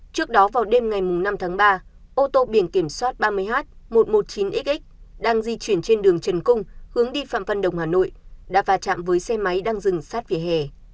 trước đó vào đêm ngày năm tháng ba ô tô biển kiểm soát ba mươi h một trăm một mươi chín x đang di chuyển trên đường trần cung hướng đi phạm văn đồng hà nội đã va chạm với xe máy đang dừng sát vỉa hè